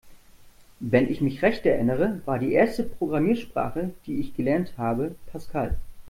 Wenn ich mich recht erinnere, war die erste Programmiersprache, die ich gelernt habe, Pascal.